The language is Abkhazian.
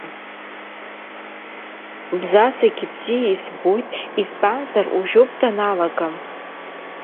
Бзазагьы бзиа ибоит, избанзар уажәоуп даналага.